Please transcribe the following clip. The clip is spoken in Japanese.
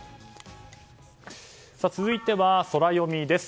続いてはソラよみです。